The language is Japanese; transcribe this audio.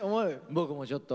僕もちょっと。